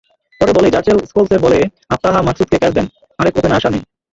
পরের বলেই র্যাচেল স্কোলসের বলে আবতাহা মাকসুদকে ক্যাচ দেন আরেক ওপেনার শারমিন।